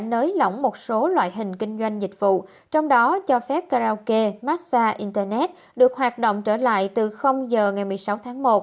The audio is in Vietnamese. nới lỏng một số loại hình kinh doanh dịch vụ trong đó cho phép karaoke massage internet được hoạt động trở lại từ giờ ngày một mươi sáu tháng một